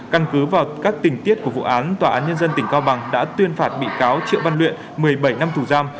căn cứ vào các tình tiết của vụ án tòa án nhân dân tỉnh cao bằng đã tuyên phạt bị cáo triệu văn luyện một mươi bảy năm tù giam